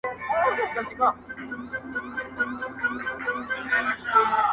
تاسي زما كيسې ته غوږ نيسئ يارانو!.